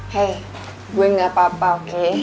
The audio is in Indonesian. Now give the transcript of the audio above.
hei gue gak apa apa oke